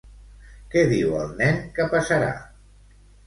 Què diu el nen que passarà?